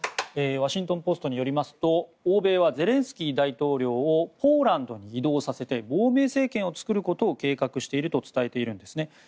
ワシントン・ポストによりますと欧米はゼレンスキー大統領をポーランドに移動させて亡命政権を作ることを計画していると伝えているんですね。